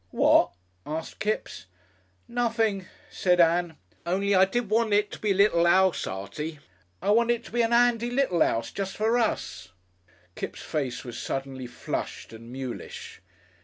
"What?" asked Kipps. "Nothing," said Ann, "only I did want it to be a little 'ouse, Artie. I wanted it to be a 'andy little 'ouse, jest for us." Kipps' face was suddenly flushed and mulish.